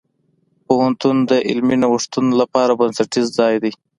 پوهنتون د علمي نوښتونو لپاره بنسټیز ځای دی.